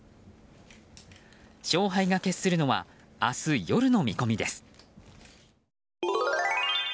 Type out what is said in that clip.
勝敗が決するのは明日夜の見込みです。